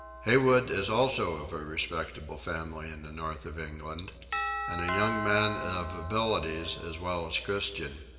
Haywood is also of a respectable family in the north of England and a young man of abilities as well as Christian.